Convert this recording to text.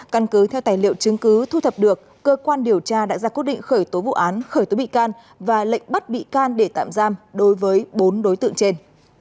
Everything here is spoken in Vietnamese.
căn cứ theo tài liệu chứng cứ thu thập được cơ quan điều tra đã ra quyết định khởi tố vụ án khởi tố bị can và lệnh bắt bị can để tạm giam đối với bốn đối tượng trên